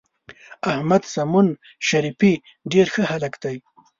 احمد سمون شریفي ډېر ښه هلک دی.